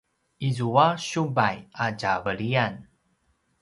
izua a siubay a tja veliyan